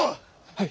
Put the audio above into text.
はい。